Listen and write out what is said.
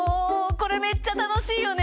これめっちゃ楽しいよね！